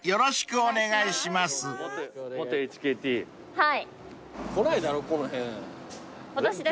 はい。